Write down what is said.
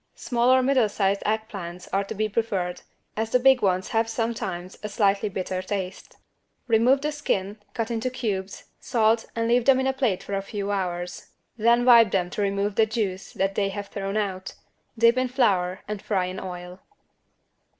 Small or middle sized egg plants are to be preferred, as the big ones have sometimes a slightly bitter taste. Remove the skin, cut into cubes, salt and leave them in a plate for a few hours. Then wipe them to remove the juice that they have thrown out, dip in flour and fry in oil.